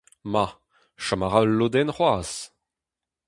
Ma, chom a ra ul lodenn c'hoazh.